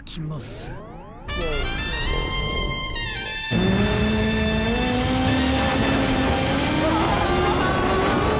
うわ！